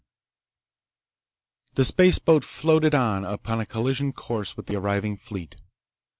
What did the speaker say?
VII The spaceboat floated on upon a collision course with the arriving fleet.